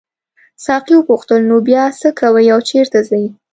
ساقي وپوښتل نو بیا څه کوې او چیرته ځې.